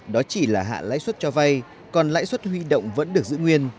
đó chỉ là hạ lãi suất cho vay còn lãi suất huy động vẫn được giữ nguyên